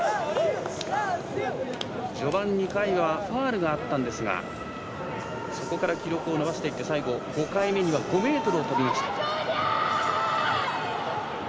序盤２回はファウルがあったんですがそこから記録を伸ばして５回目には５ｍを跳びました。